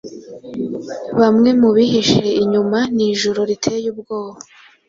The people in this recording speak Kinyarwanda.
Bamwe mubihishe inyumanijoro riteye ubwoba